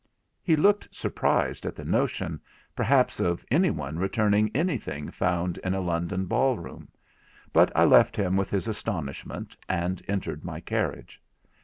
He looked surprised, at the notion, perhaps, of any one returning anything found in a London ball room; but I left him with his astonishment and entered my carriage.